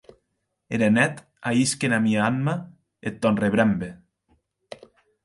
Era net ahisque ena mia anma eth tòn rebrembe!